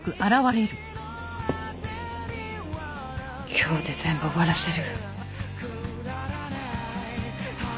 今日で全部終わらせる。